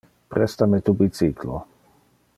Presta me tu bicyclo.